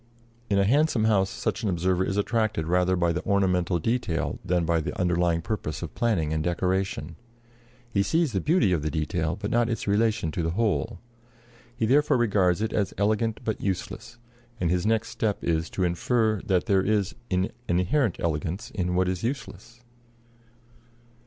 In a handsome house such an observer is attracted rather by the ornamental detail than by the underlying purpose of planning and decoration. He sees the beauty of the detail, but not its relation to the whole. He therefore regards it as elegant but useless; and his next step is to infer that there is an inherent elegance in what is useless.